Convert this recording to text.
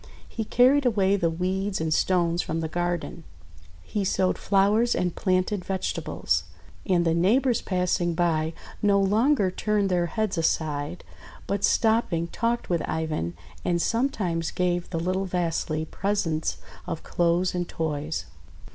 He carried away the weeds and stones from the garden. He sowed flowers and planted vegetables. And the neighbours passing by no longer turned their heads aside, but stopping talked with Ivan, and sometimes gave the little Vasily presents of clothes and toys.